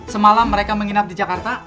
semalam mereka menginap di jakarta